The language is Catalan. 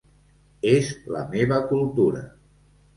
És la meva cultura.